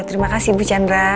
terima kasih ibu chandra